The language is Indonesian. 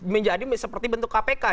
menjadi seperti bentuk kpk